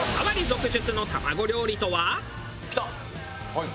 はい。